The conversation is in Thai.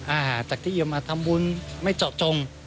อาหารจากที่ยืมมาทำบุญไม่เจาะจง